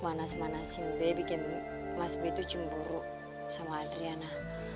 manas manasin be bikin mas be tuh cemburu sama adriana